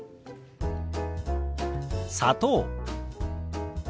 「砂糖」。